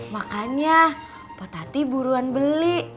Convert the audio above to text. makanya po tati buruan beli